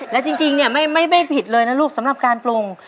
และจริงเนี่ยไม่ผิดเลยนะลูกสำหรับการปรุง